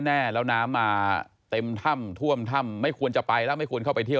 เที่ยวได้เอาน้ำมาเต็มถ่ำท่วมถ่ำไม่ควรจะไปไม่ควรเข้าไปเที่ยว